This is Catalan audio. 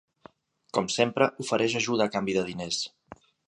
Com sempre, ofereix ajuda a canvi de diners.